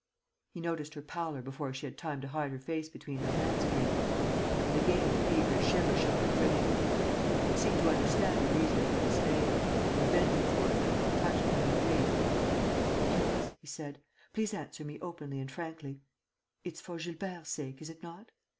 He noticed her pallor before she had time to hide her face between her hands again. And again a feverish shiver shook her frame. He seemed to understand the reason of her dismay; and, bending toward her, touched by her grief: "Please," he said, "please answer me openly and frankly. It's for Gilbert's sake, is it not?